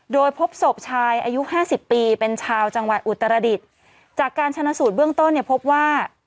โดยพบศพชายอายุห้าสิบปีเป็นชาวจังหวัดอุตรดิษฐ์จากการชนะสูตรเบื้องต้นเนี่ยพบว่า